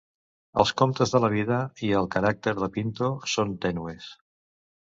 Els comptes de la vida i el caràcter de Pinto són tènues.